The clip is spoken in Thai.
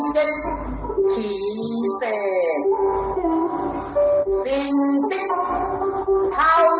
โปรดติดตามตอนต่อไป